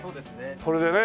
これでね。